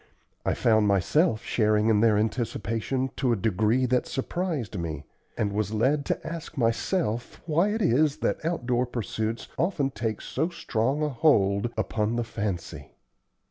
I found myself sharing in their anticipation to a degree that surprised me, and was led to ask myself why it is that outdoor pursuits often take so strong a hold upon the fancy.